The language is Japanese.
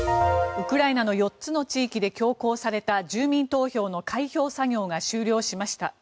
ウクライナの４つの地域で強行された住民投票の開票作業が終了しました。